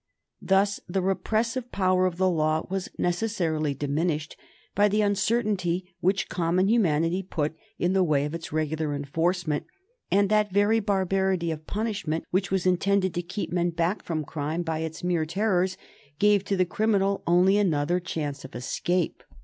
Thus the repressive power of the law was necessarily diminished by the uncertainty which common humanity put in the way of its regular enforcement, and that very barbarity of punishment which was intended to keep men back from crime by its mere terrors gave to the criminal only another chance of escape.